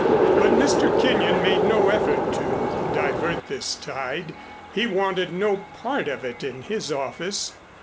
But Mr. Kenyon made no effort to divert this tide. He wanted no part of it in his office.